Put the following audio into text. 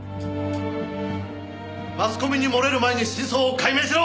マスコミに漏れる前に真相を解明しろ！